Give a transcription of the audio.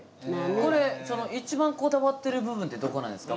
これ一番こだわってる部分ってどこなんですか？